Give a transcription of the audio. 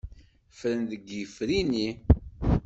Ffren deg yifri-nni.